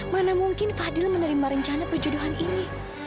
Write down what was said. mana mungkin fadil menerima rencana perjodohan ini